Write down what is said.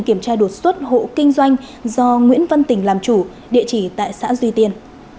kiểm tra đột xuất hộ kinh doanh do nguyễn văn tình làm chủ địa chỉ tại xã duy tiên